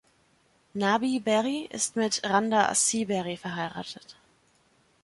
Nabih Berri ist mit Randa Assi Berri verheiratet.